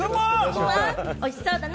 おいしそうだな。